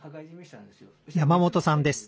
山本さんです。